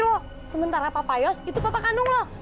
kok sementara papa yos itu papa kandung lo